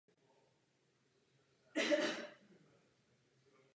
Vystudoval na univerzitě v Göttingenu.